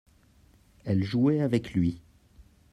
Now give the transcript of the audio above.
ellel jouait avec lui.